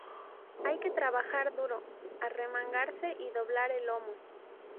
Hay que trabajar duro, arremangarse y doblar el lomo